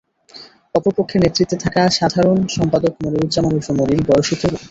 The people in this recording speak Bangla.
অপর পক্ষের নেতৃত্বে থাকা সাধারণ সম্পাদক মনিরুজ্জামান ওরফে মনির বয়সে তরুণ।